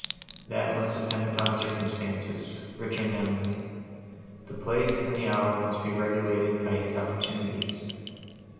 "That must depend upon circumstances," returned Emily. "The place, and the hour, must be regulated by his opportunities."